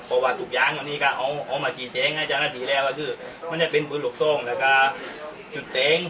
เพราะว่าสุขอย่างวันนี้ก็เอามาจีนเจ้งให้เจ้าหน้าถีแล้วคือมันจะเป็นฟื้นหลุกตรงแล้วก็จุดเจ้ง